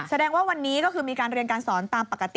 แสดงว่าวันนี้ก็คือมีการเรียนการสอนตามปกติ